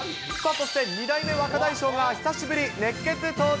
そして２代目若大将が、久しぶり、熱ケツ登場。